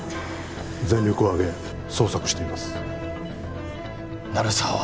全力をあげ捜索しています鳴沢は？